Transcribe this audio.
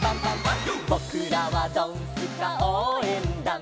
「ぼくらはドンスカおうえんだん」